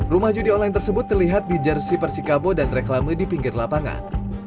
rumah judi online tersebut terlihat di jersi persikabo dan reklame di pinggir lapangan